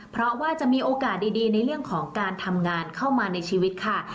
เพราะว่าจะมีโอกาสดีในเรื่องของการทำงานเข้ามาในชีวิตค่ะ